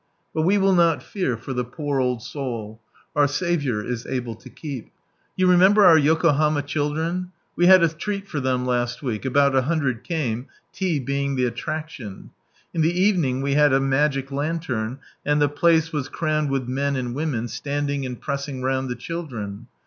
But we will not fear for the poor old soul. Our Saviour is able to keep ! You remember our Yokobama children ? We had a treat for them last week, about 100 came, lea being the attraction. In the evening we had a magic lantern, and the place was crammed with men and women, standing and pressing round the children.